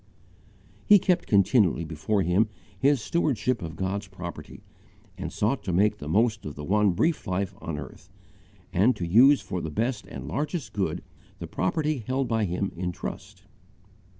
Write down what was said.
He kept continually before him his stewardship of God's property; and sought to make the most of the one brief life on earth, and to use for the best and largest good the property held by him in trust.